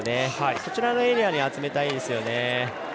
そちらのエリアに集めたいですよね。